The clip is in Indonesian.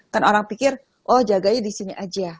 kan orang pikir oh jaganya di sini aja